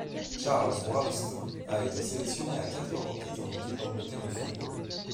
Charles Wollaston a été sélectionné à quatre reprises en équipe d'Angleterre de football.